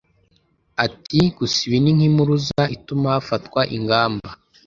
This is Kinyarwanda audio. Ati: "Gusa ibi ni nk'impuruza ituma hafatwa ingamba